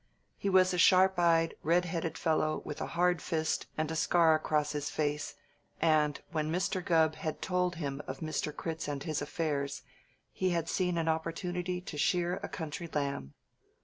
He was a sharp eyed, red headed fellow, with a hard fist, and a scar across his face, and when Mr. Gubb had told him of Mr. Critz and his affairs, he had seen an opportunity to shear a country lamb.